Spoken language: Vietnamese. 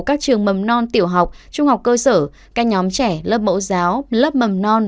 các trường mầm non tiểu học trung học cơ sở các nhóm trẻ lớp mẫu giáo lớp mầm non